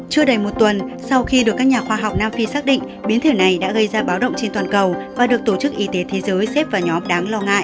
chưa đầy một tuần sau khi được các nhà khoa học nam phi xác định biến thể này đã gây ra báo động trên toàn cầu và được tổ chức y tế thế giới xếp vào nhóm đáng lo ngại